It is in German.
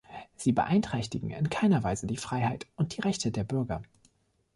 Sie beeinträchtigen in keiner Weise die Freiheit und die Rechte der Bürger.